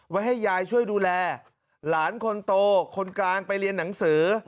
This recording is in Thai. ให้ยายช่วยดูแลหลานคนโตคนกลางไปเรียนหนังสือ